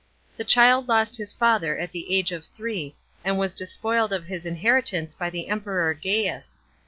The child lost his f.ither at the age of three, and was despoiled of his inheritance by the Emperor Gaius.